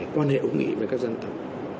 quan hệ ứng nghĩ với các dân tộc